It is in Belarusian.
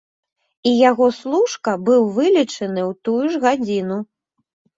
І яго служка быў вылечаны ў тую ж гадзіну.